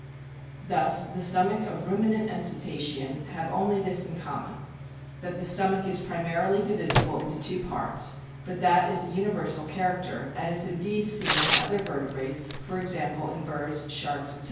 Thus the stomach of ruminant and cetacean have only this in common, SOME INTERNAL STRUCTURES 65 that the stomach is primarily divisible into two parts ; but that is a universal character, and is indeed seen in other vertebrates, for example, in birds, sharks, etc.